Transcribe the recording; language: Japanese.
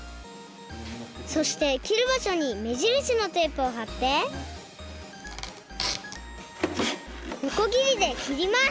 そしてきるばしょにめじるしのテープをはってのこぎりできります！